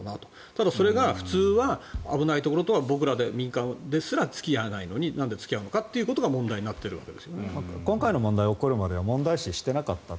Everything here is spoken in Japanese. ただ、それが普通は危ないところとは僕ら民間ですら付き合わないのになんで付き合うのかということが問題になっているわけですよね。